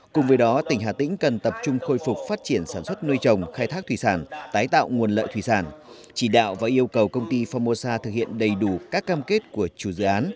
cùng với đó tỉnh hà tĩnh cần tập trung khôi phục phát triển sản xuất nuôi trồng khai thác thủy sản tái tạo nguồn lợi thủy sản chỉ đạo và yêu cầu công ty phongmosa thực hiện đầy đủ các cam kết của chủ dự án